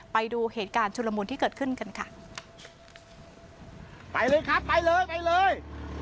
ไปดูเหตุการณ์ชุลมุนที่เกิดขึ้นกันค่ะไปเลยครับไปเลยไปเลย